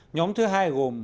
nhóm thứ hai gồm